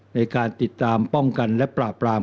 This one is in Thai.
ในการติดตามป้องกันและปราบปราม